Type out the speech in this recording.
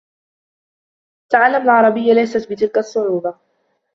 تعلّم العربيّة ليس بتلك الصعوبة.